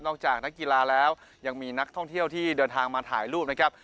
จากนักกีฬาแล้วยังมีนักท่องเที่ยวที่เดินทางมาถ่ายรูปนะครับ